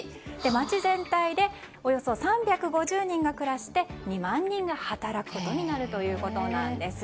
街全体でおよそ３５００人が暮らして２万人が働くことになるということなんです。